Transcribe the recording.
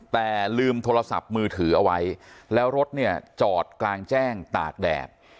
แต่ลืมโทรศัพท์มือถือเอาไว้แล้วรถเนี่ยจอดกลางแจ้งตากแดด